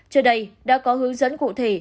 trên đây đã có hướng dẫn cụ thể